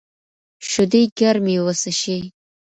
شیدې ګرمې وڅښئ.